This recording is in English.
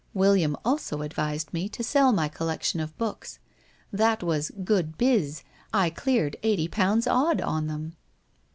William also advised me to sell my collection of books. That was good " biz," I cleared eighty pounds odd on them.'